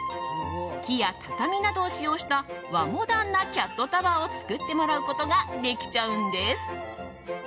木や畳などを使用した和モダンなキャットタワーを作ってもらうことができちゃうんです。